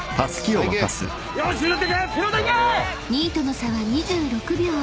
［２位との差は２６秒］